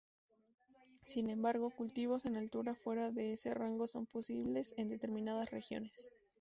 Sin embargo, cultivos en altura fuera de ese rango son posibles en determinadas regiones.